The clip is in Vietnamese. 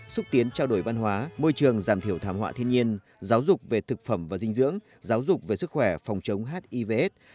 xúc tiến trao đổi văn hóa môi trường giảm thiểu thảm họa thiên nhiên giáo dục về thực phẩm và dinh dưỡng giáo dục về sức khỏe phòng chống hivs